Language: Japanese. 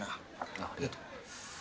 あっありがとう。